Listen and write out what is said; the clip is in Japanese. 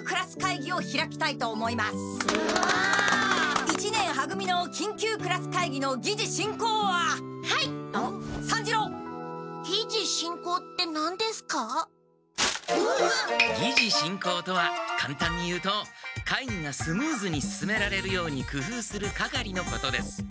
議事進行とはかんたんに言うと会議がスムーズに進められるようにくふうする係のことです。